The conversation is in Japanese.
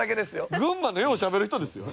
群馬のようしゃべる人ですよ。